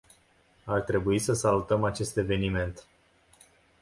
Ar trebui să salutăm acest eveniment.